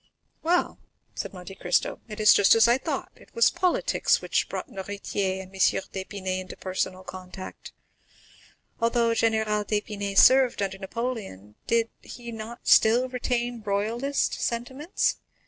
"Well," said Monte Cristo, "it is just as I thought; it was politics which brought Noirtier and M. d'Épinay into personal contact. Although General d'Épinay served under Napoleon, did he not still retain royalist sentiments?